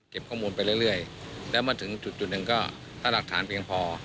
ข้อมูลไปเรื่อยแล้วมาถึงจุดหนึ่งก็ถ้าหลักฐานเพียงพอ